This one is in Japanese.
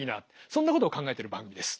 そんなことを考えてる番組です。